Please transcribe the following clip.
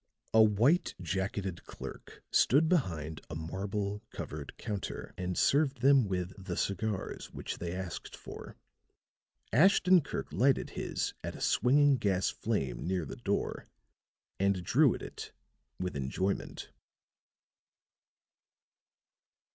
A white jacketed clerk stood behind a marble covered counter, and served them with the cigars which they asked for. Ashton Kirk lighted his at a swinging gas flame near the door and drew at it with enjoyment.